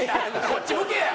こっち向けや！